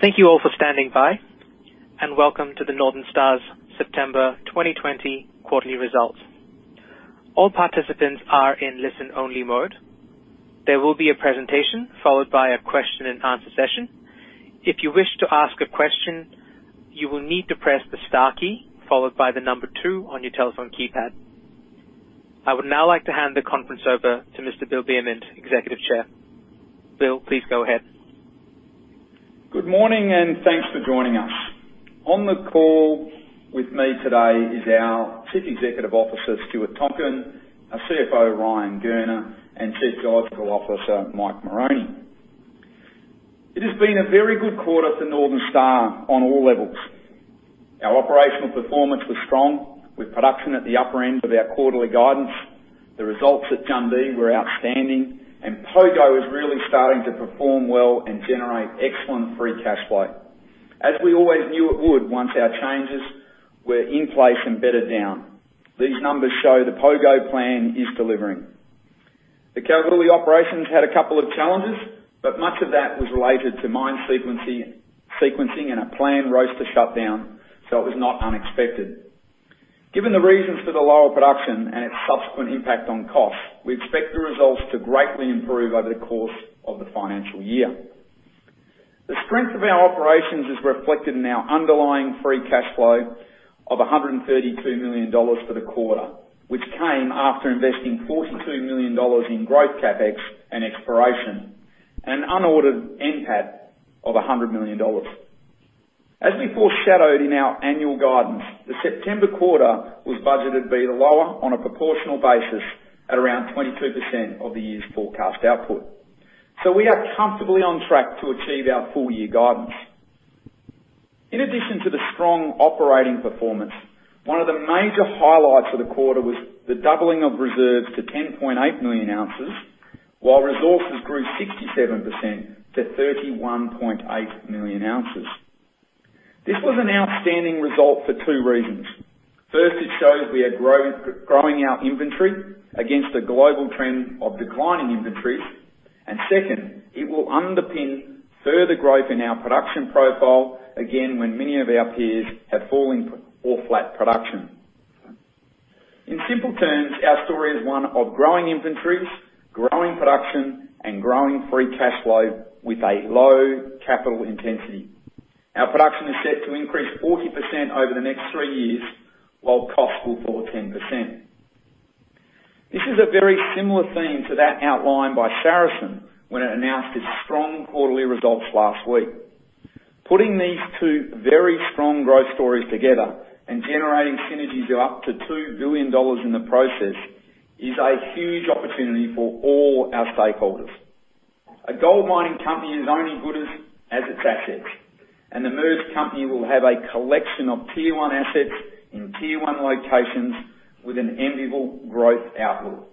Thank you all for standing by, and welcome to the Northern Star's September 2020 quarterly results. There will be a presentation followed by a question and answer session. I would now like to hand the conference over to Mr. Bill Beament, Executive Chair. Bill, please go ahead. Good morning, and thanks for joining us. On the call with me today is our Chief Executive Officer, Stuart Tonkin, our CFO, Ryan Gurner, and Chief Geological Officer, Mike Mulroney. It has been a very good quarter for Northern Star on all levels. Our operational performance was strong with production at the upper end of our quarterly guidance. The results at Jundee were outstanding. Pogo is really starting to perform well and generate excellent free cash flow, as we always knew it would once our changes were in place and bedded down. These numbers show the Pogo plan is delivering. The Kalgoorlie operations had a couple of challenges. Much of that was related to mine sequencing and a planned roaster shutdown. It was not unexpected. Given the reasons for the lower production and its subsequent impact on costs, we expect the results to greatly improve over the course of the financial year. The strength of our operations is reflected in our underlying free cash flow of 132 million dollars for the quarter, which came after investing 42 million dollars in growth CapEx and exploration, and an underlying NPAT of 100 million dollars. As we foreshadowed in our annual guidance, the September quarter was budgeted to be the lower on a proportional basis at around 22% of the year's forecast output. We are comfortably on track to achieve our full-year guidance. In addition to the strong operating performance, one of the major highlights for the quarter was the doubling of reserves to 10.8 million oz, while resources grew 67% to 31.8 million ounces. This was an outstanding result for two reasons. First, it shows we are growing our inventory against a global trend of declining inventories. Second, it will underpin further growth in our production profile again when many of our peers have falling or flat production. In simple terms, our story is one of growing inventories, growing production, and growing free cash flow with a low capital intensity. Our production is set to increase 40% over the next three years, while costs will fall 10%. This is a very similar theme to that outlined by Saracen when it announced its strong quarterly results last week. Putting these two very strong growth stories together and generating synergies of up to 2 billion dollars in the process is a huge opportunity for all our stakeholders. A gold mining company is only as good as its assets, and the merged company will have a collection of tier one assets in tier one locations with an enviable growth outlook.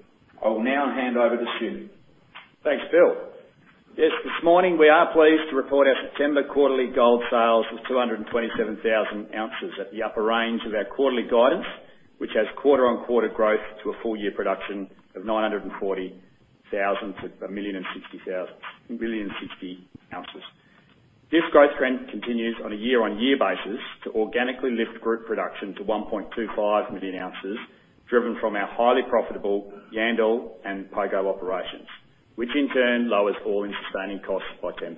I will now hand over to Stu. Thanks, Bill. This morning we are pleased to report our September quarterly gold sales was 227,000 oz at the upper range of our quarterly guidance, which has quarter-on-quarter growth to a full-year production of 940,000 to 1,000,060 oz. This growth trend continues on a year-on-year basis to organically lift group production to 1.25 million ounces, driven from our highly profitable Yandal and Pogo operations, which in turn lowers all-in sustaining costs by 10%.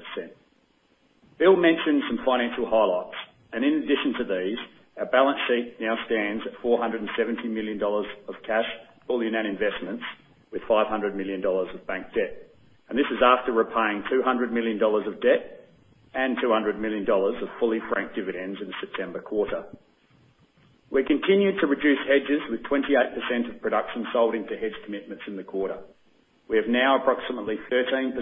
Bill mentioned some financial highlights. In addition to these, our balance sheet now stands at 470 million dollars of cash, fully net investments, with 500 million dollars of bank debt. This is after repaying 200 million dollars of debt and 200 million dollars of fully franked dividends in the September quarter. We continue to reduce hedges with 28% of production sold into hedge commitments in the quarter. We have now approximately 13%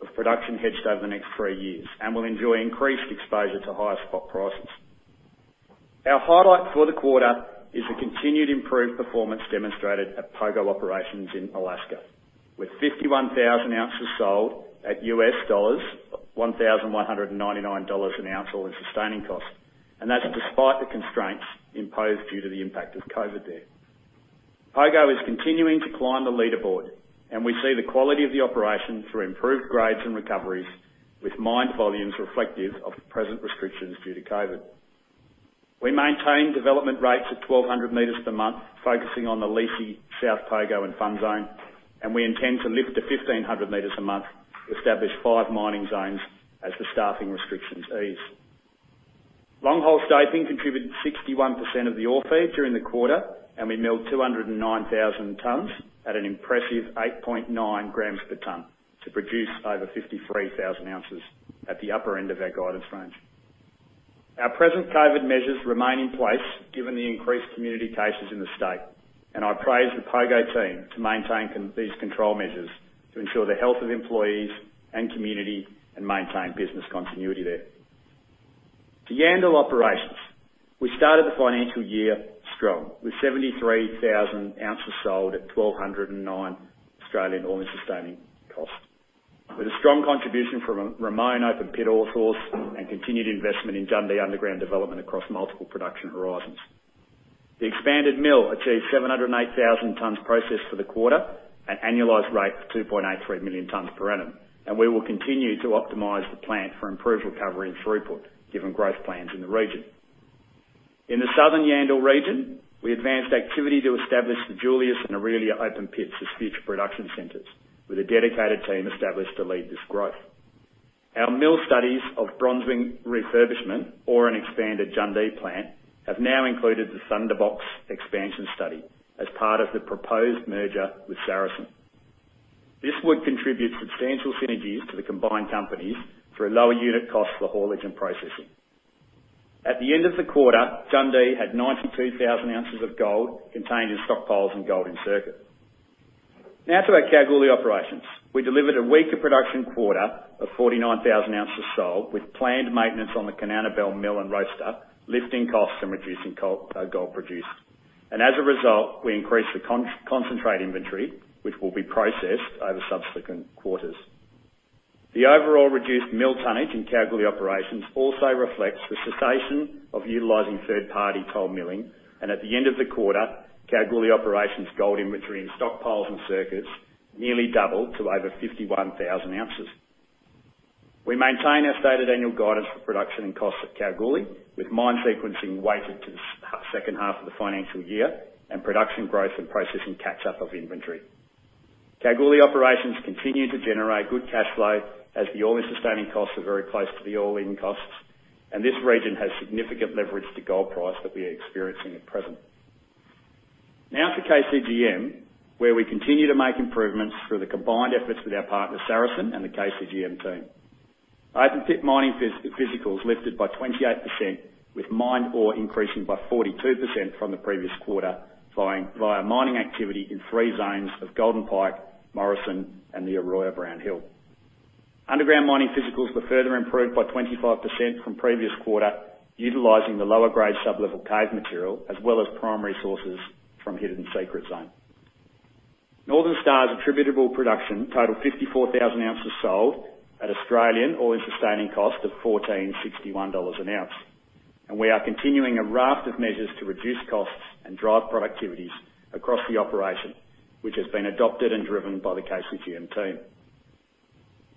of production hedged over the next three years and will enjoy increased exposure to higher spot prices. Our highlight for the quarter is the continued improved performance demonstrated at Pogo operations in Alaska, with 51,000 oz sold at $1,199 an ounce all-in sustaining cost. That's despite the constraints imposed due to the impact of COVID there. Pogo is continuing to climb the leaderboard, and we see the quality of the operation through improved grades and recoveries with mined volumes reflective of the present restrictions due to COVID. We maintain development rates of 1,200 m per month, focusing on the Liese, South Pogo and Fun Zone, and we intend to lift to 1,500 m a month to establish five mining zones as the staffing restrictions ease. Long hole stoping contributed 61% of the ore feed during the quarter. We milled 209,000 tonnes at an impressive 8.9 g per tonne to produce over 53,000 oz at the upper end of our guidance range. Our present COVID measures remain in place given the increased community cases in the state, I praise the Pogo team to maintain these control measures to ensure the health of employees and community and maintain business continuity there. To Yandal operations, we started the financial year strong with 73,000 oz sold at 1,209 all-in sustaining cost with a strong contribution from Ramone Open Pit ore source and continued investment in Jundee underground development across multiple production horizons. The expanded mill achieved 708,000 tons processed for the quarter, an annualized rate of 2.83 million tons per annum. We will continue to optimize the plant for improved recovery and throughput, given growth plans in the region. In the southern Yandal region, we advanced activity to establish the Julius and Orelia open pits as future production centers, with a dedicated team established to lead this growth. Our mill studies of Bronzewing refurbishment or an expanded Jundee plant have now included the Thunderbox expansion study as part of the proposed merger with Saracen. This would contribute substantial synergies to the combined companies through a lower unit cost for haulage and processing. At the end of the quarter, Jundee had 92,000 oz of gold contained in stockpiles and gold in circuit. To our Kalgoorlie operations. We delivered a weaker production quarter of 49,000 oz sold, with planned maintenance on the Kanowna Belle Mill and Roaster, lifting costs and reducing gold produced. As a result, we increased the concentrate inventory, which will be processed over subsequent quarters. The overall reduced mill tonnage in Kalgoorlie operations also reflects the cessation of utilizing third-party toll milling, and at the end of the quarter, Kalgoorlie operations gold inventory and stockpiles and circuits nearly doubled to over 51,000 oz. We maintain our stated annual guidance for production and costs at Kalgoorlie, with mine sequencing weighted to the second half of the financial year and production growth and processing catch-up of inventory. Kalgoorlie operations continue to generate good cash flow as the all-in sustaining costs are very close to the all-in costs, and this region has significant leverage to gold price that we are experiencing at present. Now to KCGM, where we continue to make improvements through the combined efforts with our partner, Saracen and the KCGM team. Open pit mining physicals lifted by 28%, with mined ore increasing by 42% from the previous quarter via mining activity in three zones of Golden Pike, Morrison and the Oroya Brownhill. Underground mining physicals were further improved by 25% from previous quarter, utilizing the lower grade sublevel cave material as well as primary sources from Hidden Secret zone. Northern Star's attributable production totaled 54,000 ounces sold at Australian all-in sustaining cost of AUD 1,461 an ounce. We are continuing a raft of measures to reduce costs and drive productivities across the operation, which has been adopted and driven by the KCGM team.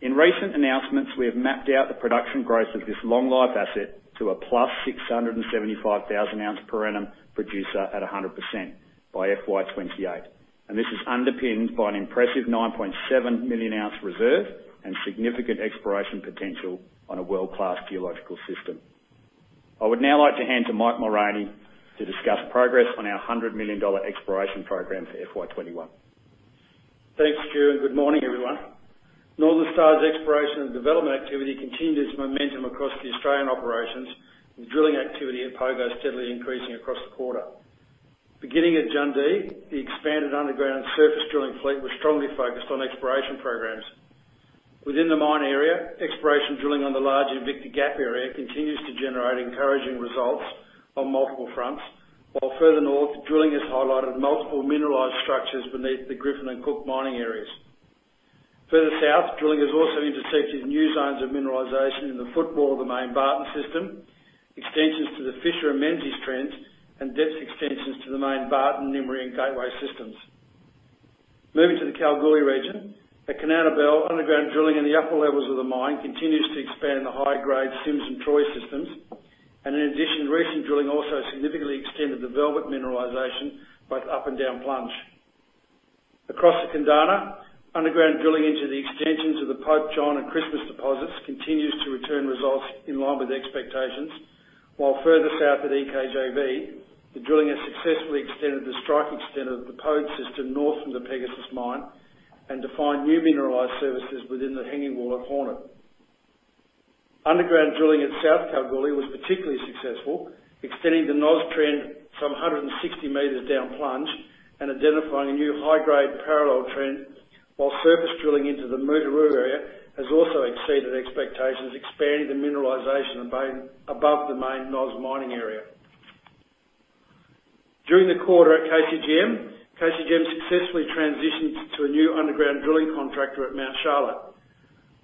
In recent announcements, we have mapped out the production growth of this long life asset to a plus 675,000 ounce per annum producer at 100% by FY 2028. This is underpinned by an impressive 9.7 million ounce reserve and significant exploration potential on a world-class geological system. I would now like to hand to Mike Mulroney to discuss progress on our 100 million dollar exploration program for FY 2021. Thanks, Stuart. Good morning, everyone. Northern Star's exploration and development activity continued its momentum across the Australian operations, with drilling activity at Pogo steadily increasing across the quarter. Beginning at Jundee, the expanded underground surface drilling fleet was strongly focused on exploration programs. Within the mine area, exploration drilling on the large Invicta Gap area continues to generate encouraging results on multiple fronts. While further north, drilling has highlighted multiple mineralized structures beneath the Griffin and Cook mining areas. Further south, drilling has also intersected new zones of mineralization in the footwall of the main Barton system, extensions to the Fisher and Menzies trends, and depth extensions to the main Barton, Nimary and Gateway systems. Moving to the Kalgoorlie region, at Kanowna, underground drilling in the upper levels of the mine continues to expand the high-grade Sims and Troy systems. In addition, recent drilling also significantly extended the Velvet mineralization, both up and down plunge. Across the Kundana, underground drilling into the extensions of the Pope John and Christmas deposits continues to return results in line with expectations. Further south at EKJV, the drilling has successfully extended the strike extent of the Pode system north from the Pegasus mine and defined new mineralized surfaces within the hanging wall at Hornet. Underground drilling at South Kalgoorlie was particularly successful, extending the NOZ trend some 160 m down plunge and identifying a new high-grade parallel trend, while surface drilling into the Mutooroo area has also exceeded expectations, expanding the mineralization above the main NOZ mining area. During the quarter at KCGM successfully transitioned to a new underground drilling contractor at Mount Charlotte.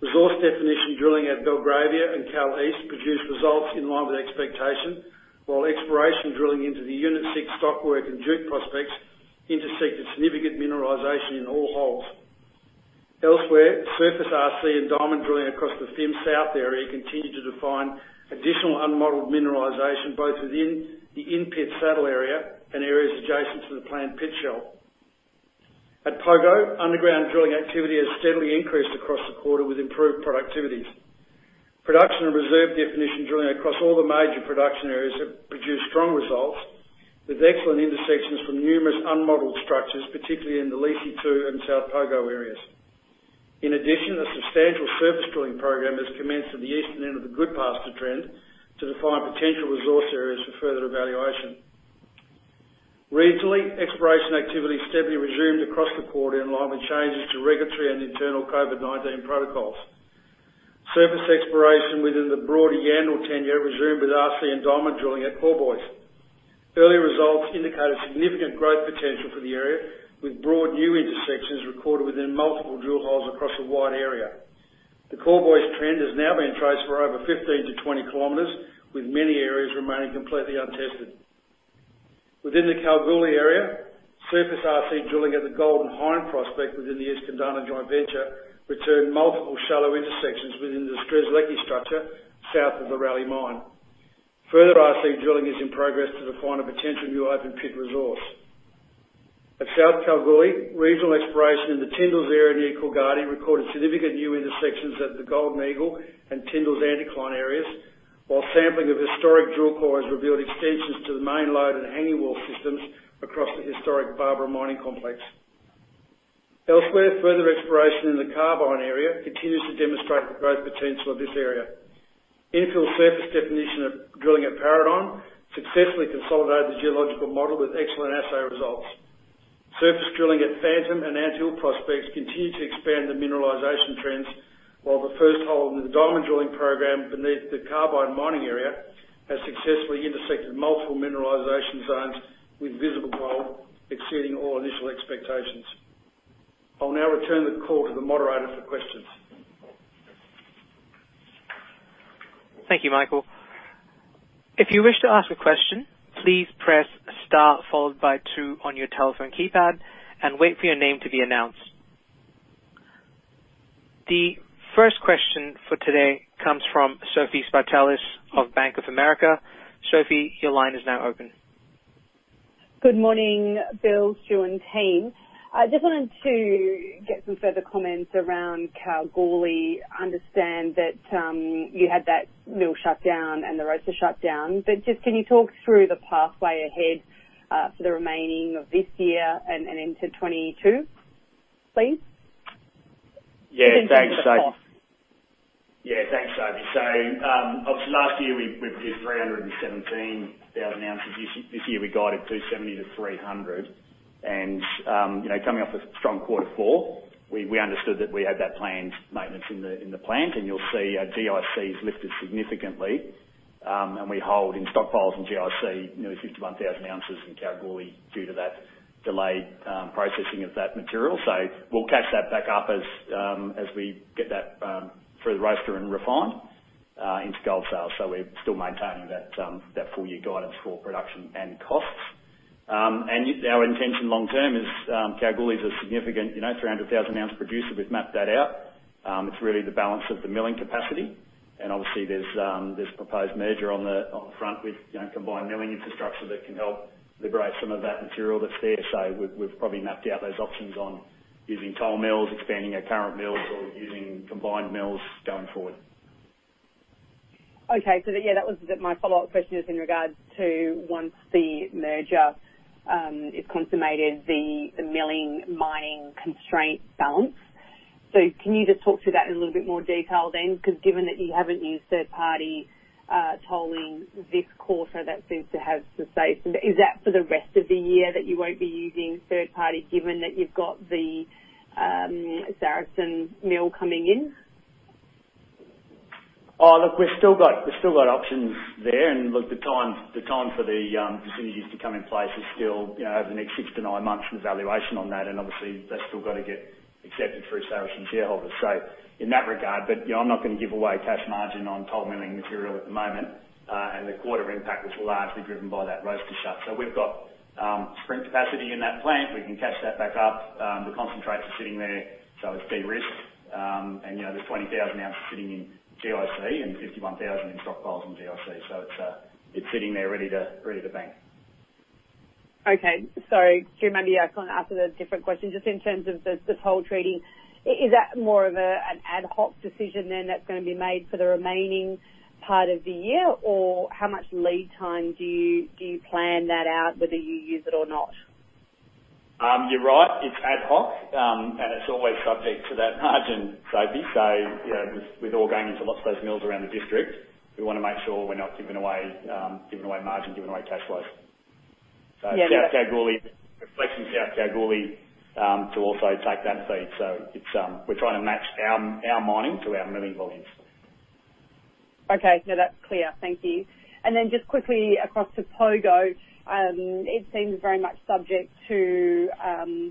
Resource definition drilling at Belgravia and Kal East produced results in line with expectation, while exploration drilling into the Unit Six Stockwork and Duke Prospects intersected significant mineralization in all holes. Elsewhere, surface RC and diamond drilling across the Fim South area continued to define additional unmodeled mineralization both within the in-pit saddle area and areas adjacent to the planned pit shell. At Pogo, underground drilling activity has steadily increased across the quarter with improved productivities. Production and reserve definition drilling across all the major production areas have produced strong results, with excellent intersections from numerous unmodeled structures, particularly in the Liese 2 and South Pogo areas. In addition, a substantial surface drilling program has commenced at the eastern end of the Goodpaster trend to define potential resource areas for further evaluation. Regionally, exploration activity steadily resumed across the quarter in line with changes to regulatory and internal COVID-19 protocols. Surface exploration within the broader Yandal tenure resumed with RC and diamond drilling at Corboys. Early results indicate a significant growth potential for the area, with broad new intersections recorded within multiple drill holes across a wide area. The Corboys trend has now been traced for over 15-20 km, with many areas remaining completely untested. Within the Kalgoorlie area, surface RC drilling at the Golden Hind prospect within the East Kundana Joint Venture returned multiple shallow intersections within the Strzelecki structure south of the Raleigh mine. Further RC drilling is in progress to define a potential new open pit resource. At South Kalgoorlie, regional exploration in the Tindals area near Coolgardie recorded significant new intersections at the Golden Eagle and Tindals Anticline areas, while sampling of historic drill core has revealed extensions to the main lode and hanging wall systems across the historic Barbara mining complex. Elsewhere, further exploration in the Carbine area continues to demonstrate the growth potential of this area. Infill surface definition of drilling at Paradigm successfully consolidated the geological model with excellent assay results. Surface drilling at Phantom and Anthill prospects continue to expand the mineralization trends, while the first hole in the diamond drilling program beneath the Carbine mining area has successfully intersected multiple mineralization zones with visible gold, exceeding all initial expectations. I'll now return the call to the moderator for questions. Thank you, Michael. The first question for today comes from Sophie Spartalis of Bank of America. Sophie, your line is now open. Good morning, Bill, Stu, and team. I just wanted to get some further comments around Kalgoorlie. I understand that you had that mill shutdown and the roaster shut down. Just can you talk through the pathway ahead for the remaining of this year and into 2022, please? Yeah, thanks, Sophie. Obviously, last year, we produced 317,000 oz. This year, we guided 270 to 300. Coming off a strong quarter four, we understood that we had that planned maintenance in the plant. You'll see our GIC has lifted significantly. We hold in stockpiles and GIC nearly 51,000 oz in Kalgoorlie due to that delayed processing of that material. We'll catch that back up as we get that through the roaster and refined into gold sales. We're still maintaining that full year guidance for production and costs. Our intention long term is Kalgoorlie is a significant, 300,000 oz producer. We've mapped that out. It's really the balance of the milling capacity. Obviously, there's proposed merger on the front with combined milling infrastructure that can help liberate some of that material that's there. We've probably mapped out those options on using toll mills, expanding our current mills or using combined mills going forward. Okay. Yeah, that was my follow-up question is in regards to once the merger is consummated, the milling mining constraint balance. Can you just talk to that in a little bit more detail then? Because given that you haven't used third party tolling this quarter, that seems to have subsided. Is that for the rest of the year that you won't be using third party given that you've got the Saracen mill coming in? Oh, look, we've still got options there. Look, the time for the synergies to come in place is still over the next six to nine months for valuation on that. Obviously, that's still got to get accepted through Saracen shareholders. In that regard, but I'm not going to give away cash margin on toll milling material at the moment. The quarter impact was largely driven by that roaster shut. We've got sprint capacity in that plant. We can catch that back up. The concentrates are sitting there, so it's de-risked. There's 20,000 oz sitting in GIC and 51,000 in stockpiles in GIC. It's sitting there ready to bank. Okay. Stu, maybe I can ask a different question just in terms of the toll treatment. Is that more of an ad hoc decision then that's going to be made for the remaining part of the year? How much lead time do you plan that out, whether you use it or not? You're right. It's ad hoc, and it's always subject to that margin, Sophie. With ore going into lots of those mills around the district, we want to make sure we're not giving away margin, giving away cash flow. Yeah. South Kalgoorlie, reflecting South Kalgoorlie, to also take that feed. We're trying to match our mining to our milling volumes. Okay. No, that's clear. Thank you. Then just quickly across to Pogo, it seems very much subject to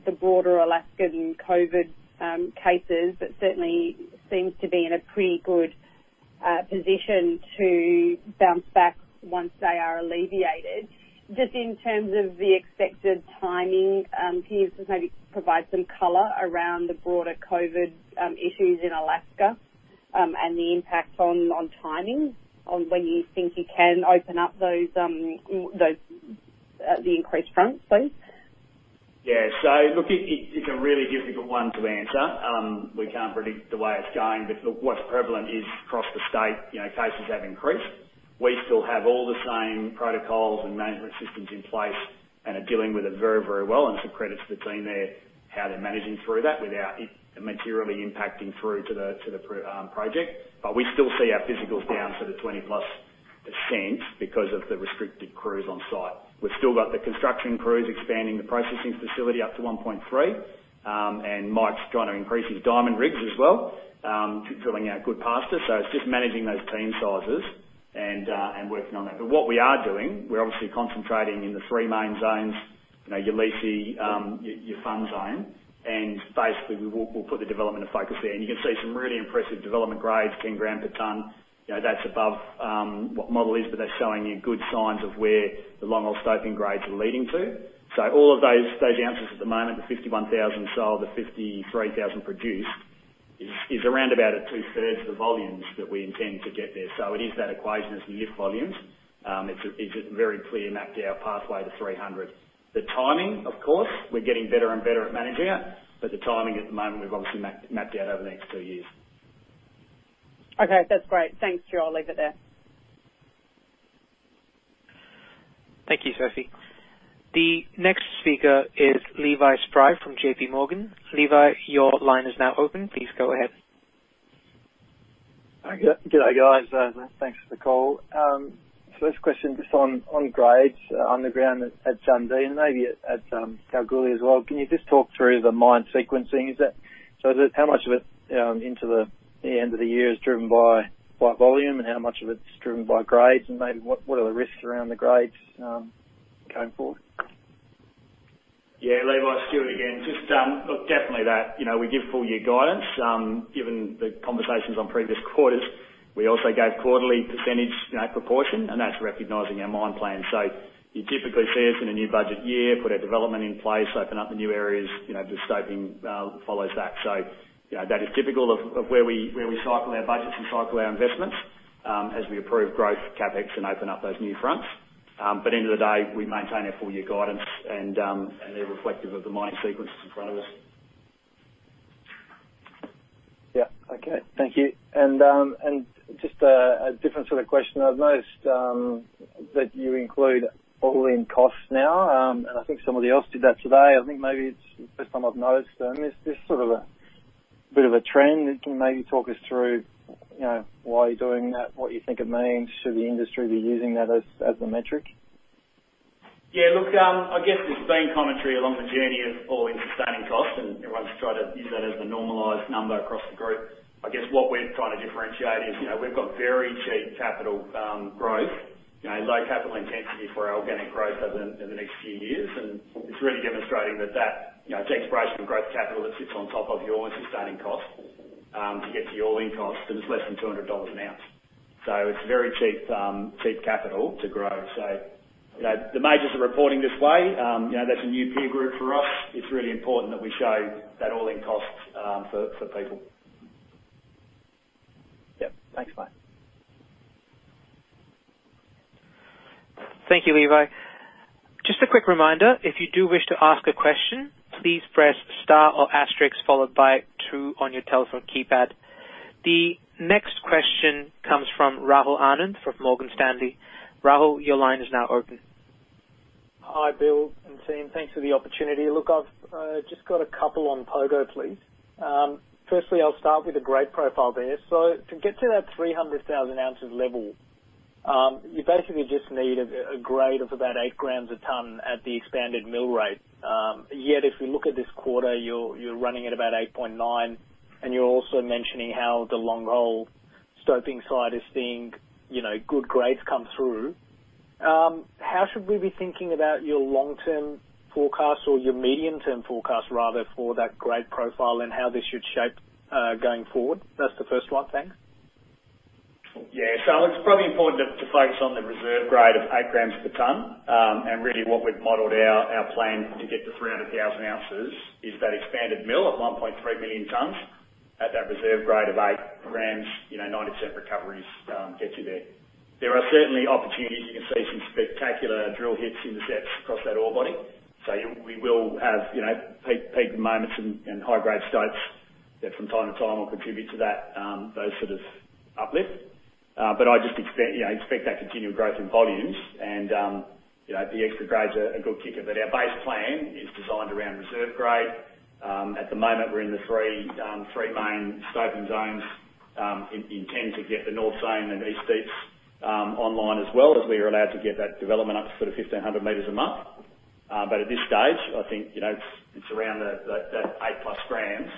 the broader Alaskan COVID cases, but certainly seems to be in a pretty good position to bounce back once they are alleviated. Just in terms of the expected timing, can you just maybe provide some color around the broader COVID issues in Alaska, and the impacts on timing on when you think you can open up the increased fronts, please? Yeah. Look, it's a really difficult one to answer. We can't predict the way it's going. Look, what's prevalent is across the state, cases have increased. We still have all the same protocols and management systems in place and are dealing with it very, very well. It's a credit to the team there, how they're managing through that without it materially impacting through to the project. We still see our physicals down to the 20%+ because of the restricted crews on site. We've still got the construction crews expanding the processing facility up to 1.3. Mike's trying to increase his diamond rigs as well, drilling our Goodpaster. It's just managing those team sizes and working on that. What we are doing, we're obviously concentrating in the three main zones, Liese, Fun Zone, and basically, we'll put the development of focus there. You can see some really impressive development grades, 10 gram per ton. That's above what model is, but that's showing you good signs of where the long hole stoping grades are leading to. All of those ounces at the moment, the 51,000 sold, the 53,000 produced is around about two-thirds the volumes that we intend to get there. It is that equation, as you lift volumes, it's a very clear mapped out pathway to 300. The timing, of course, we're getting better and better at managing it, but the timing at the moment, we've obviously mapped out over the next two years. Okay. That's great. Thanks, Stuart. I'll leave it there. Thank you, Sophie. The next speaker is Levi Spry from JPMorgan. Levi, your line is now open. Please go ahead. Hi. Good day, guys. Thanks for the call. First question, just on grades underground at Jundee and maybe at Kalgoorlie as well. Can you just talk through the mine sequencing? How much of it into the end of the year is driven by volume, and how much of it is driven by grades? Maybe what are the risks around the grades going forward? Yeah, Levi, Stuart again. Just look, definitely that. We give full year guidance. Given the conversations on previous quarters, we also gave quarterly percentage proportion, and that's recognizing our mine plan. You typically see us in a new budget year, put our development in place, open up the new areas, the stoping follows that. That is typical of where we cycle our budgets and cycle our investments, as we approve growth CapEx and open up those new fronts. End of the day, we maintain our full year guidance, and they're reflective of the mining sequences in front of us. Yeah. Okay. Thank you. Just a different sort of question. I've noticed that you include all-in costs now, and I think somebody else did that today. I think maybe it's the first time I've noticed. Is this sort of a bit of a trend? Can you maybe talk us through why you're doing that, what you think it means? Should the industry be using that as the metric? Look, I guess there's been commentary along the journey of all-in sustaining cost, and everyone's tried to use that as the normalized number across the group. I guess what we're trying to differentiate is, we've got very cheap capital growth, low capital intensity for our organic growth over the next few years, and it's really demonstrating that the expression of growth capital that sits on top of your sustaining cost, to get to your all-in cost, and it's less than 200 dollars an ounce. It's very cheap capital to grow. The majors are reporting this way. That's a new peer group for us. It's really important that we show that all-in costs for people. Yep. Thanks, mate. Thank you, Levi. Just a quick reminder, if you do wish to ask a question, please press star or asterisk followed by two on your telephone keypad. The next question comes from Rahul Anand from Morgan Stanley. Rahul, your line is now open. Hi, Bill and team. Thanks for the opportunity. I've just got a couple on Pogo, please. Firstly, I'll start with the grade profile there. To get to that 300,000 oz level, you basically just need a grade of about 8 g a ton at the expanded mill rate. If we look at this quarter, you're running at about 8.9 and you're also mentioning how the long hole stoping side is seeing good grades come through. How should we be thinking about your long-term forecast or your medium-term forecast, rather, for that grade profile and how this should shape going forward? That's the first one. Thanks. Yeah. It's probably important to focus on the reserve grade of 8 g per ton. Really what we've modeled our plan to get to 300,000 oz is that expanded mill at 1.3 million tons at that reserve grade of eight grams, 90% recoveries gets you there. There are certainly opportunities. You can see some spectacular drill hits, intercepts across that ore body. We will have peak moments and high-grade states that from time to time will contribute to that, those sort of uplift. I just expect that continual growth in volumes and the extra grades are a good kicker. Our base plan is designed around reserve grade. At the moment, we're in the three main stoping zones. Intend to get the North Zone and East Deeps online as well, as we are allowed to get that development up to 1,500 m a month. At this stage, I think it's around that 8+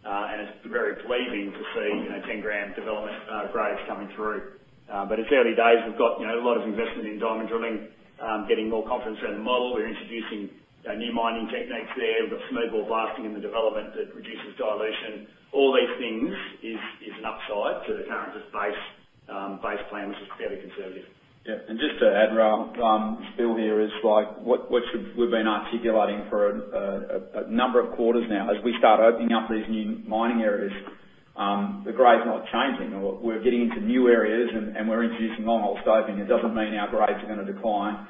g. It's very pleasing to see 10 g development grades coming through. It's early days. We've got a lot of investment in diamond drilling, getting more confidence around the model. We're introducing new mining techniques there. We've got smooth wall blasting in the development that reduces dilution. All these things is an upside to the current base plan, which is fairly conservative. Yeah. Just to add, Rahul. Bill here is like, what we've been articulating for a number of quarters now. As we start opening up these new mining areas, the grade's not changing, or we're getting into new areas and we're introducing long hole stoping. It doesn't mean our grades are going to decline.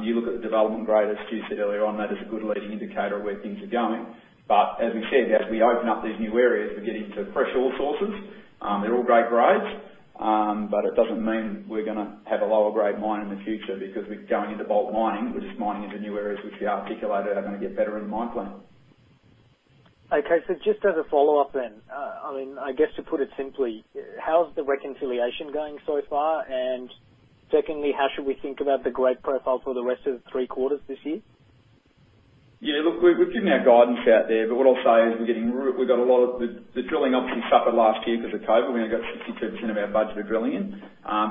You look at the development grade, as Stu said earlier on, that is a good leading indicator of where things are going. As we said, as we open up these new areas, we get into fresh ore sources. They're all great grades, but it doesn't mean we're going to have a lower grade mine in the future because we're going into bulk mining. We're just mining into new areas which we articulated are going to get better in the mine plan. Okay. Just as a follow-up then, I guess to put it simply, how's the reconciliation going so far? Secondly, how should we think about the grade profile for the rest of the three quarters this year? We've given our guidance out there, what I'll say is the drilling obviously suffered last year because of COVID. We only got 62% of our budget of drilling in.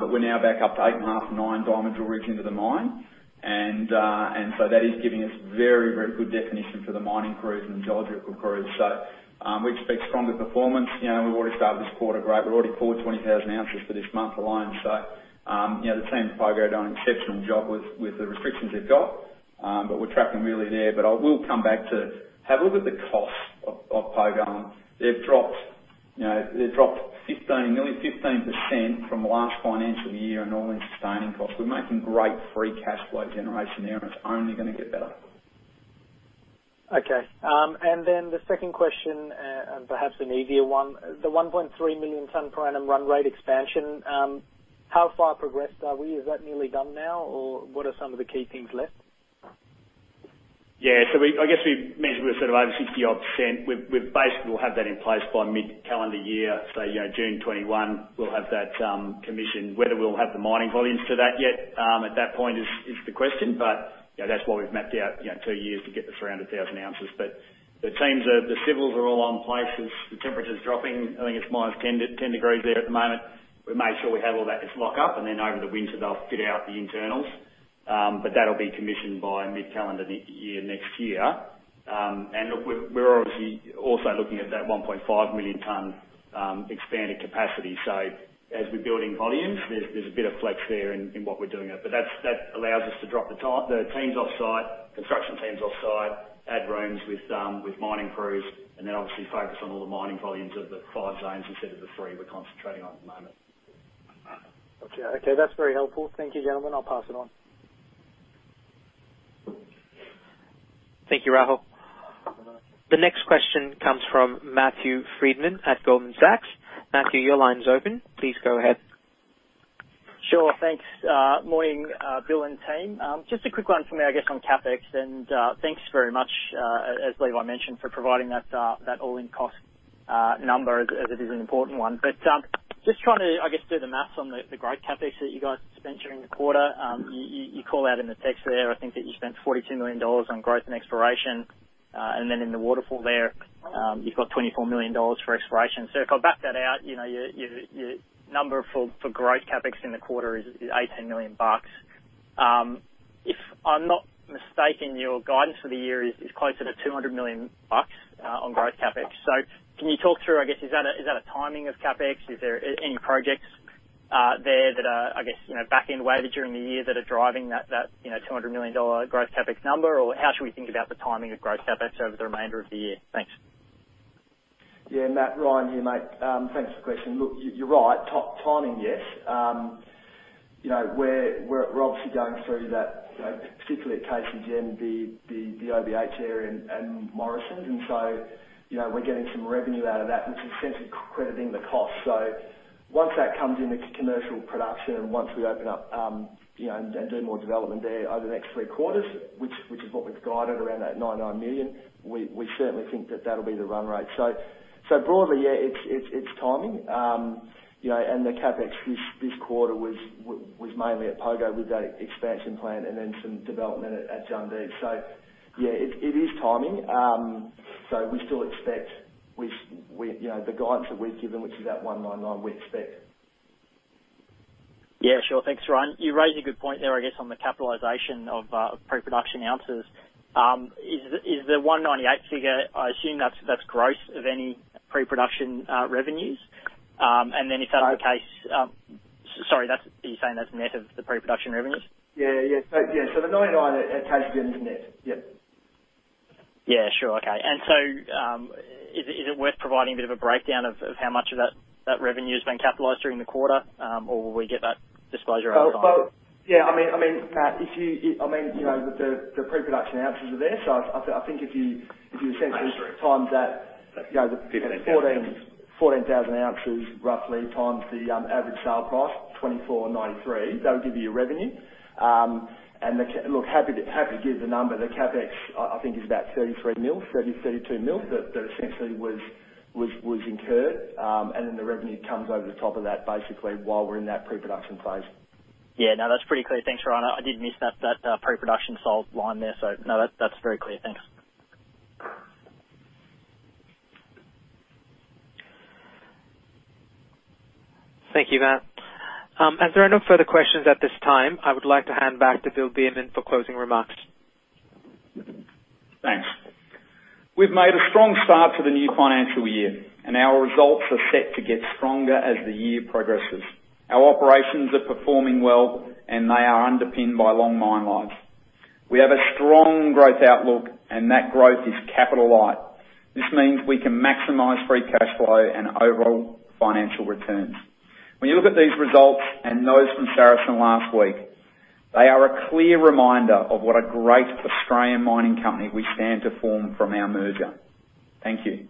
We're now back up to 8.5, nine diamond drill rigs into the mine. That is giving us very good definition for the mining crews and geological crews. We expect stronger performance. We've already started this quarter great. We've already pulled 20,000 ouz for this month alone. The team at Pogo done an exceptional job with the restrictions they've got, we're tracking really there. I will come back to have a look at the cost of Pogo. They've dropped nearly 15% from last financial year on all-in sustaining costs. We're making great free cash flow generation there, it's only going to get better. Okay. The second question, perhaps an easier one. The 1.3 million tons per annum run rate expansion, how far progressed are we? Is that nearly done now? What are some of the key things left? I guess we mentioned we're sort of over 60 odd percent. We basically will have that in place by mid-calendar year. June 2021, we'll have that commissioned. Whether we'll have the mining volumes to that yet at that point is the question. That's why we've mapped out two years to get to 300,000 oz. The teams, the civils are all on place as the temperature's dropping. I think it's -10 degrees there at the moment. We made sure we have all that this lock up, over the winter, they'll fit out the internals. That'll be commissioned by mid-calendar year next year. Look, we're obviously also looking at that 1.5 million ton expanded capacity. As we're building volumes, there's a bit of flex there in what we're doing. That allows us to drop the teams offsite, construction teams offsite, add rooms with mining crews, and then obviously focus on all the mining volumes of the five zones instead of the three we're concentrating on at the moment. Okay. That's very helpful. Thank you, gentlemen. I'll pass it on. Thank you, Rahul. The next question comes from Matthew Frydman at Goldman Sachs. Matthew, your line's open. Please go ahead. Sure. Thanks. Morning, Bill and team. Just a quick one from me, I guess, on CapEx. Thanks very much, as Levi mentioned, for providing that all-in cost number as it is an important one. Just trying to, I guess, do the maths on the growth CapEx that you guys spent during the quarter. You call out in the text there, I think that you spent 42 million dollars on growth and exploration. In the waterfall there, you've got 24 million dollars for exploration. If I back that out, your number for growth CapEx in the quarter is 18 million bucks. If I'm not mistaken, your guidance for the year is closer to 200 million bucks, on growth CapEx. Can you talk through, I guess, is that a timing of CapEx? Is there any projects there that are, I guess, back end weighted during the year that are driving that 200 million dollar growth CapEx number? How should we think about the timing of growth CapEx over the remainder of the year? Thanks. Yeah, Matt, Ryan here, mate. Thanks for the question. Look, you're right. Timing, yes. We're obviously going through that, particularly at KCGM, the OBH area and Morrison. We're getting some revenue out of that, which is essentially crediting the cost. Once that comes into commercial production and once we open up, and do more development there over the next three quarters, which is what we've guided around that 99 million, we certainly think that that'll be the run rate. Broadly, yeah, it's timing. The CapEx this quarter was mainly at Pogo with that expansion plan and then some development at Jundee. Yeah, it is timing. We still expect the guidance that we've given, which is that 199, we expect. Yeah, sure. Thanks, Ryan. You raise a good point there, I guess, on the capitalization of pre-production ounces. Is the 198 figure, I assume that's gross of any pre-production revenues? Sorry, are you saying that's net of the pre-production revenues? Yeah. The 99 at KCGM is net. Yep. Yeah, sure. Okay. Is it worth providing a bit of a breakdown of how much of that revenue has been capitalized during the quarter? Or will we get that disclosure over time? Well, yeah, I mean, Matt, the pre-production ounces are there. I think if you essentially times that. That's true. 14,000 oz roughly times the average sale price, 2,493, that'll give you your revenue. Look, happy to give the number. The CapEx, I think, is about 33 mil, 30 mil, 32 mil that essentially was incurred. Then the revenue comes over the top of that basically while we're in that pre-production phase. Yeah. No, that's pretty clear. Thanks, Ryan. I did miss that pre-production sold line there. No, that's very clear. Thanks. Thank you, Matt. As there are no further questions at this time, I would like to hand back to Bill Beament for closing remarks. Thanks. We've made a strong start to the new financial year, and our results are set to get stronger as the year progresses. Our operations are performing well, and they are underpinned by long mine lives. We have a strong growth outlook, and that growth is capital light. This means we can maximize free cash flow and overall financial returns. When you look at these results and those from Saracen last week, they are a clear reminder of what a great Australian mining company we stand to form from our merger. Thank you.